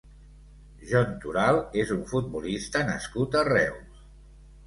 Jon Toral és un futbolista nascut a Reus.